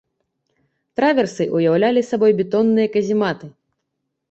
Траверсы ўяўлялі сабой бетонныя казематы.